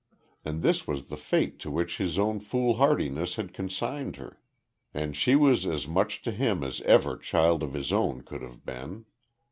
And this was the fate to which his own foolhardiness had consigned her. And she was as much to him as ever child of his own could have been!